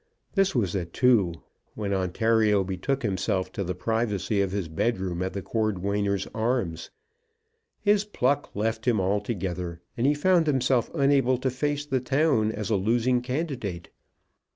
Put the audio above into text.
This was at two, when Ontario betook himself to the privacy of his bedroom at the Cordwainers' Arms. His pluck left him altogether, and he found himself unable to face the town as a losing candidate.